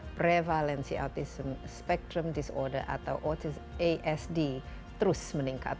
prevalensi autism spectrum disorder atau asd terus meningkat